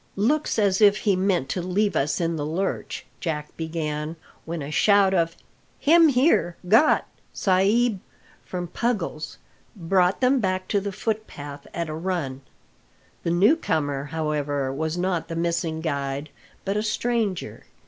"Looks as if he meant to leave us in the lurch," Jack began, when a shout of "Him here got, sa'b!" from Puggles, brought them back to the footpath at a run. The new comer, however, was not the missing guide, but a stranger.